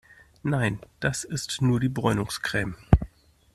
Nein, das ist nur die Bräunungscreme.